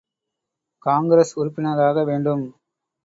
காங்கிரஸ் உறுப்பினராக வேண்டும்.